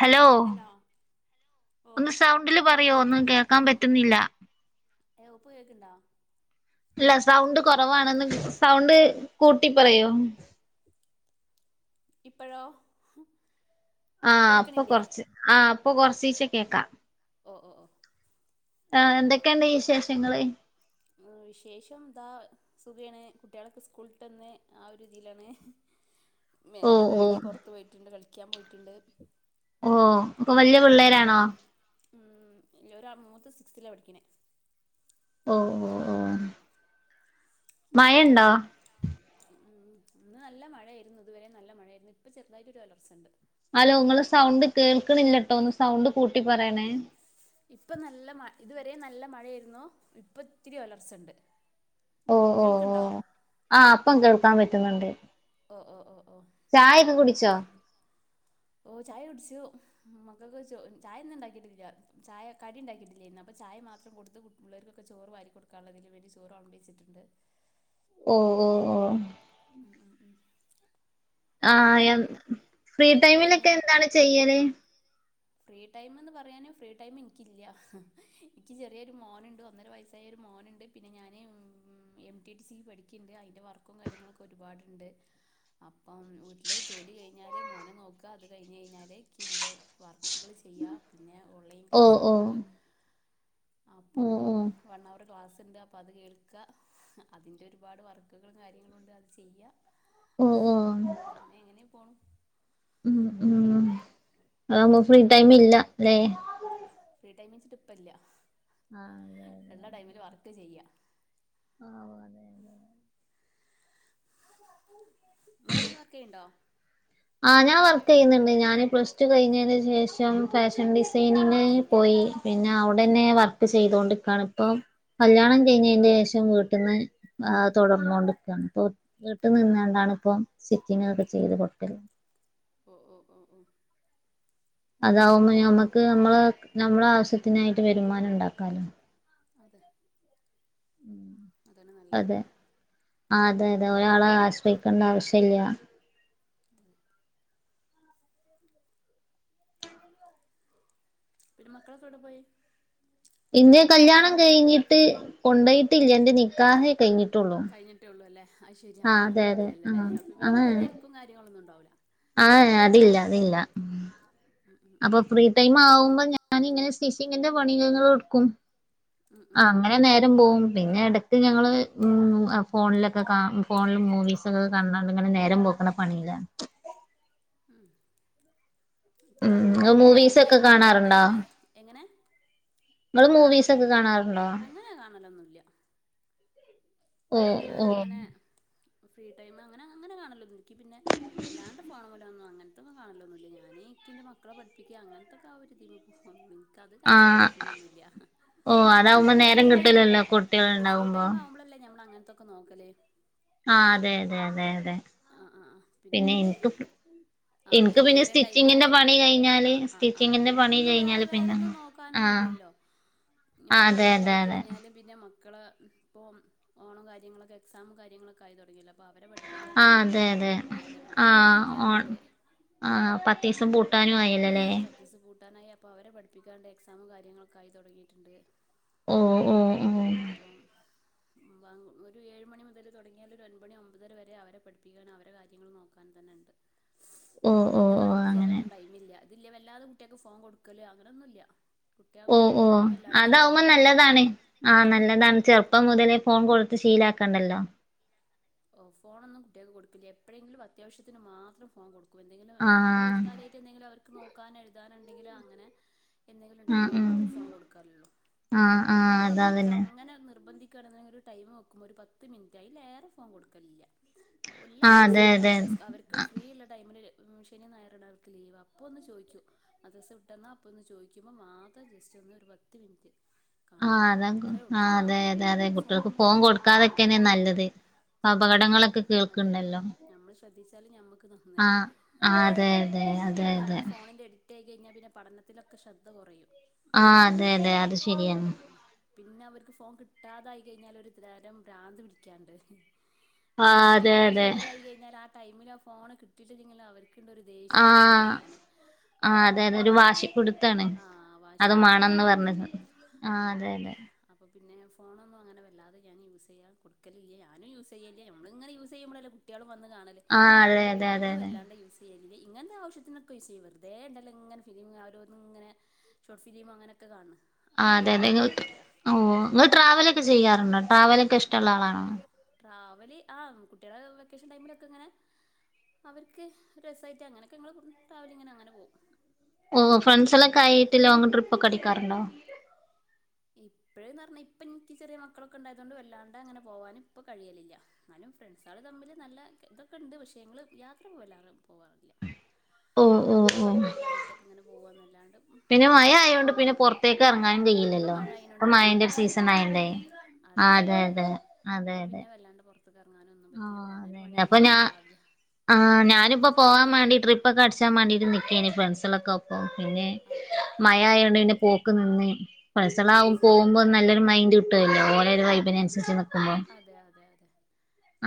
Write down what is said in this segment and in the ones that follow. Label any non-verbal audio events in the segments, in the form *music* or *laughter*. Hello ഓ ഒന്ന് സൗണ്ടില് പറയോ കേൾക്കണില്ലേ ഒന്നും കേൾക്കാൻ പറ്റുന്നില്ല ഓഹ് പ്പ കേക്ക്ണ്ടാ ഇല്ല സൗണ്ട് കൊറവാണെന്ന് സൗണ്ട് കൂട്ടി പറയോ ഇപ്പഴൊ ആഹ് ഇപ്പൊ കൊറച്ച് ആഹ് ഇപ്പൊ കൊറച്ചീച്ചെ കേക്കാം ഓ ഓ ഓ ആ എന്തൊക്കെണ്ട് വിശേഷങ്ങള് വിശേഷം താ സുഖാണ് കുട്ട്യാ ളൊക്കെ സ്കൂളിട്ട്ന്ന് ആ ഒരു ഇതിലാണ് ഓ മേലോക്കെ ഓ കഴുകി പൊറത്തു പോയിട്ടുണ്ട് കളിക്കാൻ പോയിറ്റ്ണ്ട് ഓഹ് അപ്പൊ വല്ല്യ പിള്ളേരാണാ ഉ ഇല്ല ഒരു മൂത്ത് സിക്സ്ത്തില പഠിക്കണേ ഓ ഓ ഓ മയണ്ടൊ ഉം ഇന്ന് നല്ല മഴായിര്ന്ന് ഇതുവരെ നല്ല മഴയായിരുന്നു ഇപ്പൊ ചെറുതായിട്ട് ഒരു ഒലർച്ചണ്ട് ഹലോ ങ്ങളസൗണ്ട് കേൾക്കണില്ലട്ടോ ഒന്ന് സൗണ്ട് കൂട്ടി പറയണേ ഇപ്പം നല്ല മ ഇതുവരെ നല്ല മഴയായിരുന്നു ഇപ്പത്തിരി ഒലർച്ച ഉണ്ട് ഓ ഓ ഓ ആ പ്പം കേൾക്കാൻ പറ്റുന്നുണ്ട് ഓ ഓ ഓ ഓ ചായ ഒക്കെ കുടിച്ചൊ ഓ ചായ്ടിച്ചു മക്കൾക്ക് ചോ ചായ ഒന്നും ഉണ്ടാക്കിയിട്ടില്ല ചായ കടി ഉണ്ടാക്കിയിട്ടില്ല ഇന്ന് അപ്പൊ ചായ മാത്രം കൊടുത്തു. പിള്ളർക്കൊക്കെ ചോറ് വാരിക്കൊ ടുക്കാനുള്ളതിന് വേണ്ടി ചോറ് വെ ളമ്പി വെച്ചിട്ടുണ്ട്. ഓ ഓഓ ഉ ഉം ഉം ആ പിന്നെന്താ എന് ഫ്രീ വർക്ക് ചെയ്യ ടൈമിലൊക്കെ എന്തേലും എന്താണ് ചെയ്യല്? ഫ്രീ ടൈമ്ന്ന് പറയാന് ഫ്രീ ടൈം ഇൻക്കില്യ ഇക്ക് ചെറിയൊരു മോനുണ്ട് ഒന്നര വയസ്സായ ഒരു മോന്ണ്ട്. പിന്നെ ഞൻ എം ടി ടി സി ക്ക് പഠിക്കിണ്ട് അതിൻ്റെ വർക്കും കാര്യങ്ങളൊക്കെ ഒരുപാടുണ്ട്. അപ്പം വീട്ടിൽ ജോലി കഴിഞ്ഞാൽ മോനെ നോക്ക അത് കഴിഞ്ഞ് കഴിഞ്ഞാൽ കിൻ്റെ വർക്ക്. വർക്കുകൾ ചെയ്യ പിന്നെ ഓൺലൈൻ ഓ ഓ ക്ലാസാണ് ഒരു. അപ്പോ ഓ ഓ വൺ അവർ ക്ലാസ്ണ്ട് അപ്പോ അത് കേൾ ക്ക അതിൻ്റെ ഒരുപാട് വർക്കുകളും കാര്യങ്ങളും ഉണ്ട് അത് ചെയ്യ ഓ ഓ അങ്ങനെ അങ്ങനെ പോണു. ഉം ഉം അതാവുമ്പ ഫ്രീ ടൈം ഇല്ല ലേ? ഫ്രീ ടൈമിച്ചിട്ട ഇപ്പല്ല ആഹ് അതെ അതെ ള്ളടൈമില് വർക്ക് ചെയ്യാ. ആ ഓ അതെ അതെ. ങ്ങളെങ്ങനെ വർക്ക്യ്യ്ണ്ടോ? ആ ഞാൻ വർക്ക് ചെയ്യുന്നുണ്ട് ഞാന് പ്ലസ് ടു കഴിഞ്ഞതിന് ശേഷം ഫാഷൻ ഡിസൈനിങ്. പോയി പിന്നെ അവിടെന്നെ വർക്ക് ചെയ്തോണ്ട്ക്കാണ് ഇപ്പം. കല്യാണം കഴിഞ്ഞതിന്റെ ശേഷം വീട്ടിന്ന് ആ തുടർന്നോണ്ട്ക്കാണ്. വീട്ട് നിന്നാണ്ടാണ് ഇപ്പൊ സിറ്റിച്ചിങ്ങാളൊക്കെ ചെയ്ത് കൊട്ക്കല് ഓ ഓ ഓ ഓ അതാവുമ്പോ നമ്മുക്ക് നമ്മള നമ്മളെ ആവശ്യത്തിനായിട്ട് വരുമാനം ണ്ടാക്കാലോ? അതെന്നെ നല്ലത്. അതെ ആ അതെ അതെ ഒരാളെ ആശ്രയിക്കേണ്ട ആവശ്യല്യ ഉം പിന്നെ മക്കളൊക്കെ എവിടെ പോയി? ഇന്ന കല്യാണം കഴിഞ്ഞിട്ട് കൊണ്ടോയിട്ടില്ല ന്റെ നിക്കാഹെ കഴിഞ്ഞിട്ടുള്ളൂ. കഴിഞ്ഞിട്ടേ ഉള്ളൂല്ലേ അയ് ശരി ആ അപ്പ അതെ അങ്ങനൊന്നും അതെ ഇല്യല്ലൊ ആ ലേ അപ്പോ പിന്നെ അങ്ങനെ വല്യ തരക്കും കാര്യങ്ങളൊന്നും ഉണ്ടാവുല ആ ഏ അതില്ല അതില്ല. ഉം ഉം ഉം. അപ്പൊ ഫ്രീ ടൈം ആവുമ്പോ ഞാനിങ്ങനെ സ്റ്റിച്ചിങ്ങിന്റെ പണികകള്ട്ക്കും. ഉം ആ ഉം ഉം. അങ്ങനെ നേരം. പോവും പിന്നെ എടക്ക് ഞങ്ങള് ആ ഫോണിലൊക്കെ കാ ഫോണില് മൂവിസ്‌ ഫുൾ കണ്ടാണ്ട് ഇങ്ങനെ നേരം പോക്കണ പണിലാണ്. ഉം എനിക്ക് ഉം ഇങ്ങള് ടൈമില്ലാഞ്ഞിട്ട് ടൈമില്ലാ മൂവീസൊക്കെ ഞ്ഞിട്ടല്ലള്ള കാണാറുണ്ടോ ടൈം എങ്ങനെ ങ്ങള് മൂവിസ് ഒക്കെ കാണാറുണ്ടോ? അങ്ങനെ കാണലൊന്നുമില്ല ഓ ക്ക് ഞാൻ ഓ അങ്ങനെ ഫ്രീ ടൈം അങ്ങനെ അങ്ങനെ കാണലൊന്നുല്ല. ക്ക് പിന്നെ വല്ലാണ്ട് ഫോണ് മലൊന്നും അങ്ങനെ. ഇതൊന്നും കാണലൊന്നുല്യ ഞാന് ഇക്കിന്റെ മക്കളെ പഠിപ്പിക്ക അങ്ങൻത്തൊക്കെ ആ ഒര്തിമകു ഒന്ന് ഇൻക്കത് കാണാള്ള ആ ടൈമൊന്നുല്യ ഓ പിന്നെ അതാവുമ്പോ പ്പോ നേരം ഫ്രീ ടൈം കിട്ടലല്ലോ കുട്ടികൾ ഇല്ല ഫ്രീ ഉണ്ടാവുമ്പോ ടൈം ആവുമ്പോളല്ലേ ഞമ്മൾ അങ്ങനത്തൊക്കെ നോക്കല്. ആ അതെ അതെ അതെ അതെ. ആ ആ ആ പിന്നെ. ആ എനിക്ക് പിന്നെ വൈകുന്നേരം ടൈം സ്റ്റിച്ചിങ്ങിന്റെ ആയാല് പണി ആ കഴിഞ്ഞാല് ആ ആ സ്റ്റിച്ചിങ്ങിന്റെ പിന്നെ പണി ഒന്ന് വേറെ കഴിഞ്ഞാല് പിന്നെ വേറെന്ന് നോ ആ ക്കാനൊന്നുല്യല്ലോ ഞ്ഞ് ആ അതെ അതെ വൈകുന്നേരായി അതെ കഴിഞ്ഞാല്. പിന്നെ മക്കൾ ഇപ്പോൾ ഓണം കാര്യങ്ങളൊക്കെ എക്സാമും കാര്യങ്ങളൊക്കെ ആയി തുടങ്ങയിലേ അപ്പോൾ അവരെ പഠിപ്പിക്ക. ആ ക്കാണ്ടാവും അതെ അതെ ആ മക്കളെ ഓ പഠിപ്പിക്കാന്ണ്ട്. ആ പത്തീസം പൂട്ടാനും ആയല്ലൊ ലേ? പത്ത് ദിവസ് പൂട്ടാനായി അപ്പോൾ അവരെ പഠിപ്പിക്കാണ്ട് എക്സാമും കാര്യങ്ങളൊക്കെ ആയി തുടങ്ങിട്ടുണ്ട് ഉം ഉം ഉം അപ്പം ബാങ്ക് ഒരു ഏഴ് മണി മുതൽ തുട്ങ്യാൽ ഒരമ്പണി ഒമ്പതര വരെ അവരെ പഠിപ്പിക്കാൻ അവരെ കാര്യങ്ങളും നോക്കാൻ തന്നെണ്ട് ഓ പിന്നെ ഓ ഇത് ഓ അങ്ങനെ കണ്ടിരിക്കാനൊന്നും ടൈമില്ല തില്ല വല്ലാതെ കുട്ട്യേൾക്ക് ഫോണ് കൊട്ക്കല് അങ്ങനൊന്നുല്ല ഓ കുട്ടികൾക്കും ഓ ഞാനും വല്ലാണ്ട് ഫോൺ അതാവുമ്പോ കൊടുക്കലില്ല നല്ലതാണ് ആ അതെ നല്ലതാണ് ചെർ ഇപ്പ മുതലേ ഫോൺ കൊട്ത്ത് ശീലാക്കണ്ടല്ലോ. ഓഹ് ഫോണൊന്നും കുട്ട്യേക്ക് കൊട്ക്കില്ല. എപ്പഴെങ്കിലും അത്യാവശ്യത്തിന് മാത്രം ഫോൺ കൊട്ക്കും. എന്തെങ്കിലോ ആ എന്തെങ്കിലും ഒരു കാര്യ റ്റ് എന്തെങ്കിലും അവർക്ക് നോക്കാന എഴ്താനണ്ടെങ്കിൽ അങ്ങനെ എന്തെങ്കിലുണ്ട് ആ ഉം മാത്രം ഫോൺ കൊട്ക്കാർള്ളൂ. ആഹ് ആഹ് പിന്നിപ്പോ അവരഅത്ര അതതന്നെ അങ്ങനെ നിർബന്ധിക്കാണെ ഒരു ടൈം വെക്കും ഒരു പത്ത് മിൻറ്റ് അയിലേറെ ഫോൺ കൊട്ക്കലില്ല എല്ലാ ആഹ് അതെ ദിവസൊന്നും അതെ കാണൂല അവർ ക്ക് ഫ്രീള്ള ടൈമില് ശെനി ഞായറുണർക്ക് ലീവ് അപ്പൊ ഒന്ന് ചോയ്ച്ചു. മദ്‌റസ വിട്ടന്ന അപ്പൊ ഒന്ന് ചോയ്ക്കുമ്പോ മാത്രം ജസ്റ്റ് ഒന്ന് ഒര് പത്ത് മിൻറ്റ്. ആഹ് അത ആഹ് അതെ അതെ അതെ അല്ലാതെ കുട്ട്യൾക് ഫോ ഫോണുമ്മിലൊന്നും കുട്ടികൾക്ക് കൊട്ക്കാതക്കെന്നെ കൊടുക്കലില്ല നല്ലത്. അപകടങ്ങളക്ക് അതെ ഞാ ഞമ്മൾ ശ്രദ്ധിച്ചാല് ഞമ്മക്ക് നന്ന് ആഹ് ആഹ് അതെ അതെ അതെ പിന്നെ അതെ അവര് ഫോണിന്റെടി യി കെയ്ഞ്ഞ പിന്നെ പഠനത്തിനക്കെ ശ്രദ്ധ കൊറയും. ആഹ് അതന്നെ അത് ശരിയാണ്. പിന്നെ അവർക്ക് ഫോൺ കിട്ടാതായി കഴിഞ്ഞാൽ ഒര് തരം ഭ്രാന്ത് പിടിക്കാണ്ട്. അഹ് ആഹ് അതെ കിട്ടികിട്ടി അതെ ശേലായി കയിഞ്ഞാൽ ആ ടൈമിലാ ഫോണ് കിട്ടീട്ടില്ലെങ്കില്ല അവർക്ക്ണ്ടൊര് ദേഷ്യം കുർമ്പും ആഹ് വരാന് ആ ആഹ് ആ അതെതെ ഒരു ആ വാശിപ്പുട്ത്താണ് ആ അത് വാശിയും മാണന്ന് കുറുമ്പൊക്കെ പർഞ്ഞ് ആഹ് അതന്നെ അപ്പോ പിന്നെ ഫോണൊന്നും അങ്ങനെ വല്ലാതെ ഞാൻ യൂസ് യ്യാൻ കൊട്ക്കലില്ല ഞാനും യൂസ് യ്യൽ നമ്മ്ൾങ്ങനെ യൂസ് യ്യുമ്പളല്ലേ കുട്ട്യേളും വന്ന് കാണല് ആഹ് അതെ അപ്പ അതെ അതെ ഞാനും അതെ വല്ലാണ്ട് യൂസ് യ്യലില്ല ഇങ്ങൻതെ ആശ്യത്തിനക്കെ യൂസ്യ്യും വെർതെണ്ടല്ലൊ ങ്ങനെ ഫിലിം ആ ഓരോന്ന് ങ്ങനെ ഷോർട്ഫിലീമ് അങ്ങനൊക്കെ കാണ് ണേ ആഹ് അതന്നെ ങ്ങൾ ഓഹ് ങ്ങൾ ട്രാവലക്കെ ചെയ്യാർണ്ടോ ട്രാവലക്കെ ട്രാ ഇഷ്ടള്ള ആളാണോ? ട്രാവല് ആഹ് കുട്ട്യളെ വെക്കേഷൻ ടൈമിലൊക്കെങ്ങനെ അവര്ക്ക് ഒരു രസായിട്ട് അങ്ങനെക്കെ ങ്ങൾ ട്രാവലിങ്ങിന് അങ്ങനെ പോകും. ഓഹ് ഫ്രണ്ട്സളൊക്കെ ആയിട്ട് ലോങ്ങ്‌ട്രിപ്പൊക്കെ അടിക്കാർണ്ടോ? ഇപ്പഴ്ന്ന് ർഞ്ഞാ ഇപ്പന്ക്ക് ചെറ്യേ മക്കളൊക്കെണ്ടായതോണ്ട് വല്ലാണ്ട് അങ്ങനെ പോവാന് പ്പൊ കഴിയലില്ല. ന്നാലും ഫ്രണ്ട്സാള് തമ്മിൽ നല്ല തൊക്കെണ്ട് പക്ഷെങ്ങൾ യാത്ര പോവല്ല പോവാറില്ല. ഓ ഓ നമ്മൾ ഓ പഠനോം കാര്യാട്ടൊക്കെ ഇങ്ങനെ പോവാന്നല്ലാണ്ട്. പിന്നെ മഴ അങ്ങനെ ആയോണ്ട് പോവില്ല പിന്നെ പൊർത്തേക്ക് എർങ്ങാനും ഇപ്പം കയ്യില്ലല്ലോ മഴ ആയതിനോണ്ട് ഇപ്പ വല്ലാണ്ട് മഴന്റെരു പുറത്തേക്ക് സീസൺ ഇറങ്ങാനും ആയോണ്ടേ. ആഹ് അതെ അതെ അതെ അതെ ത്ത്ക്കർങ്ങാനും ആഹ് അപ്പ ഞാ ആഹ് ഞാന്പ്പോ അത്തിരിക്ക പോവാൻ അത്രേ മാണ്ടി ഉള്ളൂ ട്രി പ്പൊക്കെ അട്ച്ചാൻ മാണ്ടി നിക്കേന് ഫ്രണ്സേളൊക്കൊ പിന്നെ ആഹ് ആഹ് മഴ ആയോണ്ട് പിന്നെ പോക്ക് നിന്ന് നിർത്തി ഫ്രണ്ട്സളാവു വെച്ച് പോകുമ്പോ നല്ലൊരു മയ്ൻ്റ് കിട്ടല്ലോ ഓലൊരു വൈബിനന്സരിച്ച് നിക്ക്മ്പോ. അതെ അതെ അതെ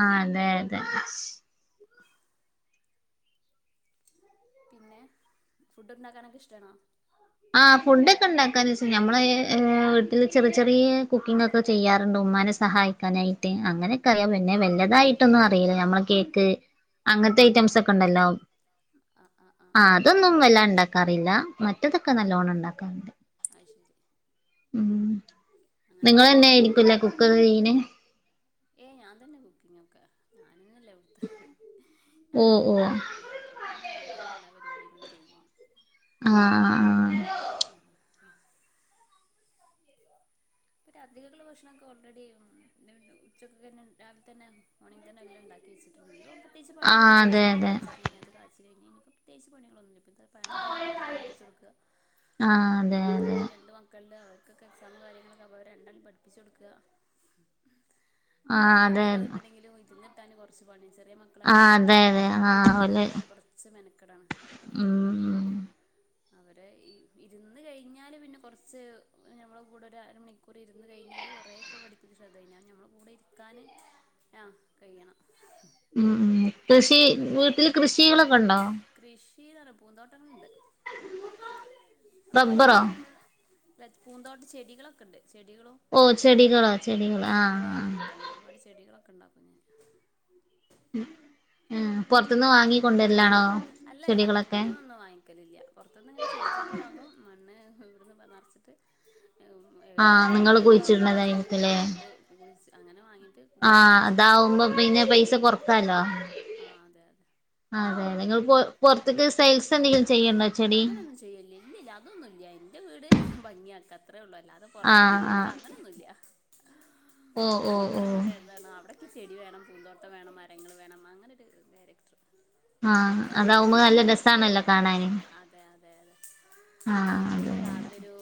ആഹ് അതെ അതെ പിന്നെ ഫുഡ് ണ്ടാക്കാനൊക്കെ ഇഷ്ടണോ? ആഹ് ഫുഡ്ക്കെണ്ടാക്കാൻ ഞമ്മളെ വീട്ട്ല് ചെറി ചെറിയ കുക്കിംങ്ങോക്കെ ചെയ്യാറ്ണ്ട് ഉമ്മാനെ സഹായിക്കാനായിട്ട് അങ്ങനക്കെ അറിയാം പിന്നെ വല്ല്യതായിട്ടൊന്നും അറിയില്ല നമ്മളെ കേക്ക് അങ്ങൻത്തെ ആഹ് ഐറ്റംസ് ഒക്കെണ്ടല്ലോ ആഹ് അതൊന്നും വല്ലാണ്ടാക്കാറില്ല മ റ്റതൊക്കെ നല്ലോണം ണ്ടാക്കാറ് അയ്ശരി ഉം ഉണ്ടാക്കും നിങ്ങളെന്നായിരിക്കുലെ കുക്കൊക്കെയ്യ് ണേ? ഏയ് ഞാൻ തന്നെ കുക്കിങ്ങോക്കെ ഞാനന്നെല്ലവ്ട്ത്തെ ഓ ഓ ഞാനന്നെല്ലേള്ളു. ആഹ് അപ്പ പിന്നെ ഞാൻ തന്നെ എല്ലാ പരിപാടികളും ചെയ്യും. ആഹ് ആഹ് ആഹ് രാത്രിക്കെക്ക്ള്ള ഭക്ഷണ‌ക്കെ ഓൾറെഡി മ്മ് ഉച്ചക്കന്നെ രാവിലെ തന്നെ മോർണിംഗ്തന്നെ എല്ലാണ്ടാക്കിവെച്ചിട്ട്ണ്ട് ഇനി കോംബല്ല് ത്തെക്ച്ച് ആഹ് പണികളൊന്നുല്ല അതെ ചായ അതെ കാച്ചാന് നിഅത് കാച്ചല് കയ്ഞ് ഇനീപ്പം പ്രത്യേകിച്ച് പണികൊന്നുല്ലപ്പംന്താ പണിഇതന്നെ കുട്ടികളെ പഠിപ്പിച്ച് കൊടുക്ക്വാ ആഹ് അതെ അല്ലാതെ അതെ പിന്നെ രണ്ടുംഅങ്ങ് ക്കൾല് അവർക്കൊക്കെ എക്സാം കാര്യങ്ങളൊക്കെ അപ്പോ രണ്ടാളേം പഠിപ്പിച്ച് കൊടുക്ക്വാ ഓരെ ആഹ് തലേ അതെ കേറി കിട്ടണെങ്കിലും ഇരുന്ന്ട്ടാനും കൊറച്ച് പണി ചെറിയ മക്ക് ആഹ് ക്കളായോണ്ട് അതെ അതെ ആഹ് ഇര്ന്ന് ഓല് കിട്ടാന് കൊറച്ച് മെന‌ക്കെടാണ് അപ്പം ഉം അവരെ ഇര് ഇരുന്ന് കഴിഞ്ഞാല് പിന്നെ കൊറച്ച് ഞമ്മളെ കൂടെ ഒര് അര മണിക് ക്കൂർ ഇരുന്ന് കഴിഞ്ഞാല് കൊറെയെക്കെ പഠിപ്പിച്ച് ശ്രദ്ധ കയ്ഞ്ഞ ഞമ്മടെ കൂടെ ഇരിക്കാന് ആഹ് കയ്യണം ഉം ഉം കൃഷി വീട്ടിൽ കൃഷികളൊ‌ക്കെണ്ടോ കൃഷീനല്ല പൂന്തോട്ടങ്ങളുണ്ട് റബ്ബറാ ല്ല പൂന്തോട്ട ചെടികളൊക്കെണ്ട് ചെടികളും ഓ ചെടികളാ ചെടികളാ ചെടികൾ ആഹ് ആഹ് അങ്ങനെയൊക്കെ ഉണ്ട് ഒരുപാട് ചെടികളൊക്കെണ്ടപ്പ ഞാൻ ഉം ആഹ് പൊറത്ത്ന്ന് വാങ്ങിക്കൊണ്ടരലാണോ ചെടികളൊക്കെ ന്നും വാങ്ങ്ക്കലില്ല്യാ പൊറത്തുന്ന്ങ്ങനെ ചെടിച്ചട്ടി വാങ്ങും മണ്ണ് ഹ് ഇവ്ട്ന്ന് നെറച്ചിട്ട് ഏഹ് ഉം ആഹ് എല്ലായിട്ത്തും നിങ്ങള് പോവുമ്പോളും അവിടെന്നൊക്കെ ചെടിൻ്റെ കുഴിച്ചിടുന്നതായിരിക്കുംല്ലേ കൊമ്പ് മുറിച് അങ്ങനെ വാങ്ങിട്ട് ആഹ് അതാവുമ്പോ പിന്നെ പൈസ കൊറക്കാലോ ആ അതെ അതെ അതെ അതെ നിങ്ങള് പൊർ പൊർത്ത്ക്ക് സെയിൽസെന്തെങ്കിലും ചെയ്യ്ണ്ടോ ചെടി അത് ചെയ്ലില്ലെ ഇല്ല്ല്ല അതൊനുന്നുല്ല്യാ ന്റെ വീട് ഭംഗിയാക്ക അത്രേള്ളൂ അല്ലാതെ പൊറത്തേക്ക് ആഹ് കൊടുക്ക ആഹ് അങ്ങനൊന്നുല്ല്യാ ഓ ഞാൻ ഓ ഓ നിക്കണ വീടെതാണോ അവിടെ യ്ക്ക് ചെടി വേണം പൂന്തോട്ടം വേണം മരങ്ങള് വേണം അങ്ങനൊരു ക്യാറക്റ്ററ് ആഹ് അതാവുമ്പോ നല്ല രസാണല്ലോ കാണാന് അതെ അതെ അതെ ആഹ് നമുക്കിനി അതെ അതെ രാവിലെ ഒരൂ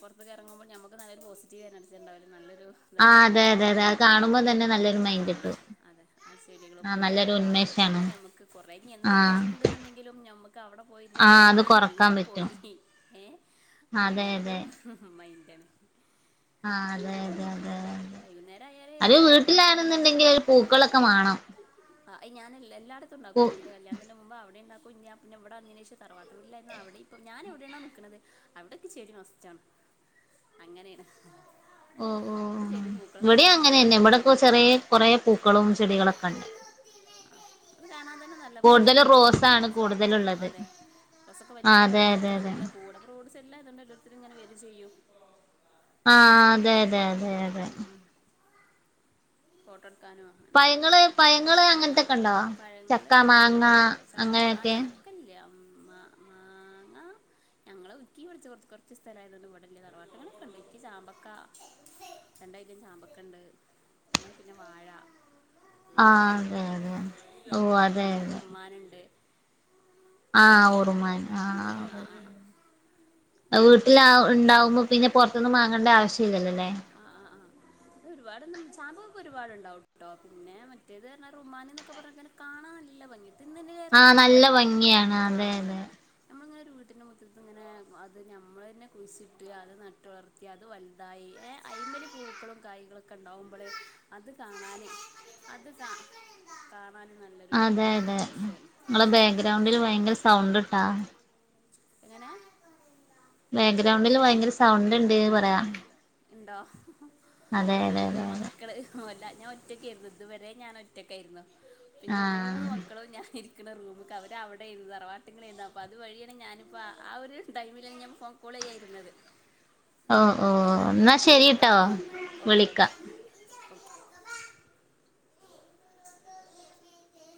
പൊർത്ത്ക്ക് എർങ്ങുമ്പോൾ ഞമ്മക്ക് നല്ലൊരു പോസിറ്റീവ് എനർജിണ്ടാവുലോ നല്ലൊരു ന്താണ് ആഹ് നമുക്ക് അതെ അതെ ഉണ്ടാവുലേ അതെ അത് കാണുമ്പോ തന്നെ നല്ലൊരു ആ മൈൻഡ് കിട്ടും അതെ ആഹ് സെരിയാ ആഹ് പൂക്കളൊക്കെ നല്ലൊരു കാണുമ്പോ ഉന്മേഷാണ് തന്നെ ഞമ്മക്ക് കുറേ ഇനി എന്ത് ടെൻഷൻ ആഹ് ഉണ്ടെന്ന്ണ്ടെങ്കിലും ഞം നമുക്ക് അവിടെ പോയിരുന്ന് ആഹ് അത് കഴിഞ്ഞാല് കൊറക്കാൻ എല്ലാം പറ്റും പോയി ഏഹ്‌ അതെ അങ്ങനൊരു അതെ മൈൻന്റാണ് ആഹ് അതെ അപ്പൊ അതെ അതെ അതെ വൈകുന്നേരായാല് അത് അങ്ങട്ട് എറങ്ങും ചെടി എറങ്ങും വീട്ടിലാണെന്നുണ്ടെങ്കിൽ ഒരു പൂക്കളൊക്കെ മാണം ആഹ്‌ ഞാൻ എല്ലാ ല്ലാടത്തും പൂ ഇണ്ടാക്കും ഞാ ഇന്റെ കല്യാണത്തിന്റെ മുമ്പ് അവിടേംണ്ടാക്കും ഞാ പിന്നെ വ്ടെ ന്നേനേഷം തറവാട്ടൂടിലായിരുന്നു അവിടേം പ്പൊ ഞാനെവിടാണോ ന്ക്ക്ണത് അവിടെ ക്ക് ചെടി മസ്റ്റാണ് അങ്ങനേണ് ഓഹ് ഓഹ് വ്ടേം വേണം അങ്ങനേന്നെ വ്ടെപ്പൊ ചെറേ കുറേ പൂക്കളും ചെടികളൊക്കെണ്ട് ആഹ് അത് കാണാൻ തന്നെ നല്ല കൂടുതലും ഭംഗിയാണല്ലോ ഓരോരുത്തര് റോസാണ് വന്ന് ഫോട്ട് ത്തട്ക്കും കൂടുതലുള്ളത് അതെ ബസൊക്കെ ആഹ് വല്ല്യ അതെ അതെ മരയിങാണ്ട് അതെ നല്ല പൂവ്‌ടും റോഡ് സെല്ല ഇതോണ്ടോരോരുത്തര്ങ്ങനെ വരും ചെയ്യും ആഹ് അതെ അതെ അതെ അതെ ഫോട്ടോ എടുക്കാനോ അങ്ങനൊക്കെ വരും പയങ്ങള് പയങ്ങള് അങ്ങനത്തൊക്കെ ഉണ്ടോ പഴങ്ങള് ചക്ക ആഹ് ചാമ്പ മാങ്ങ ചക്ക ആഹ് അങ്ങനെയൊക്കെ ചക്ക ചക്കല്യാ മ മാങ്ങാ ഞങ്ങള് ഒതുക്കിവെളിച്ച കൊറച്ച് സ്ഥലായതോണ്ട് ഇവിടില്ല തറവാട്ടുകളൊക്കെണ്ട് ഇക്ക് ചാമ്പക്ക രണ്ടിയ്റ്റം ചാമ്പക്കണ്ട് ഏഹ് പിന്നെ വാഴ ഉം ആഹ് അതൊക്കെണ്ട് അതെ അതെ ഓഹ് അതെ പിന്നെ അതെ റുമ്മാനിണ്ട് ആഹ് ഒറുമ്മാൻ ആഹ് ആഹ് ആ ആ ആഹ് ആ, വീട്ടില് ആഹ് അങ്ങനെയൊക്കെ ഉണ്ടാവുമ്പോ പിന്നെ പുറത്തിന്നും മാങ്ങേണ്ട ആവശ്യം ഇല്ലല്ലോല്ലേ *inaudible* ഇത് ഒരുപാടൊന്നും ചാമ്പൊക്കെ ഒരുപാടുണ്ടാവെട്ടോ പിന്നെ മറ്റേത് എന്നാ റുമാന് എന്നൊക്കെ പറഞ്ഞെഞങ്ങനാ കാണാൻ നല്ല ഭംഗി തിന്നീണേറെ ആഹ് നല്ല രസന്താന്നറിയോ ഭംഗിയാണ് അതെ അതെ കാണാനാണ് നമ്മളിങ്ങനെ ഒരു വീട്ടിൻ്റെ മുറ്റത്തിത്ത് ഇങ്ങനെ അത് ഞമ്മൾ തന്നെ കുഴിച്ചിട്ട് അത് നട്ടു വളർ ക്ക് അത് വൽതായി ഏഹ് അയ്മല് പൂക്കളും കായ്കളൊക്കെ ഇണ്ടാവുമ്പളെ അത് കാണാന് അത് സം കാണാനും നല്ലൊരു രസാണ് ങ്ങളെ ബാക്ക്ഗ്രൗണ്ടിൽ ഭയങ്കര സൗണ്ട്ട്ടാ എങ്ങനെ ബാക്ക്ഗ്രൗണ്ടില് എങ്ങനെ ഭയങ്കര സൗണ്ട്ണ്ട് പറയാ ഇണ്ടോ അതെ അതെ ഇന്റെ അതെ അതെ മക്കള് അല്ല ഞാൻ ഒറ്റക്കായിരുന്നു ഇതുവരെ ഞാൻ ഒറ്റക്കായിരുന്നു ഇന്റ മൂന്ന് ആഹ് മക്കളും ഞാനിരി ക്ക്ണ റൂംക്ക അവര് അവിടെ ആയിരുന്നു തറവാട്ടിങ്ങൽ അയിരുന്നു അപ്പൊ അത് വഴിയാണ് ഞാനും പ്പ ആഹ് ഒരു ടൈമിലാണ് ഞാൻ ഫോൺ കോളെയ്യാനിരുന്നത് ഓ ഓ എന്നാ ഓ ശരിട്ടോ മക്കളൊക്കെ വന്ന് ഓക്കെ ഓക്കെ വിളിക്കാം ഓക്കേ